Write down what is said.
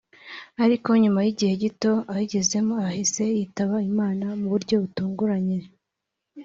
ariko nyuma y’igihe gito ayigezemo ahise yitaba Imana mu buryo butunguranye